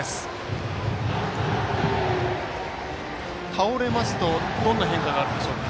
倒れますとどんな変化があるでしょうか。